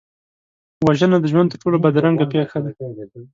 وژنه د ژوند تر ټولو بدرنګه پېښه ده